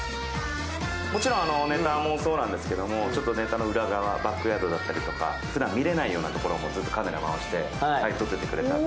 もちろんネタもそうなんですけど、ネタの裏側、バックヤードだったりとかふだん見れないようなところもカメラ回して撮っておいてくれたので。